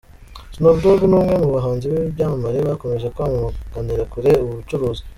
Snoop Dogg ni umwe mu bahanzi b'ibyamamare bakomeje kwamaganira kure ubu bucuruzi.